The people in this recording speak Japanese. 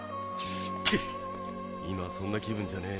ケッ今はそんな気分じゃねえ